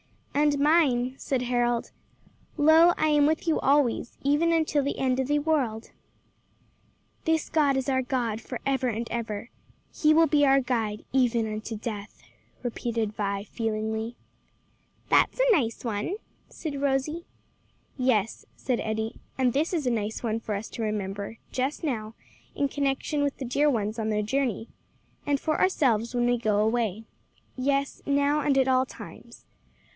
'" "And mine," said Harold, "Lo, I am with you always, even unto the end of the world,'" "'This God is our God forever and ever; he will be our guide even unto death,'" repeated Vi feelingly. "That's a nice one," said Rosie. "Yes," said Eddie, "and this is a nice one for us to remember just now in connection with the dear ones on their journey, and for ourselves when we go away. Yes, now, and at all times.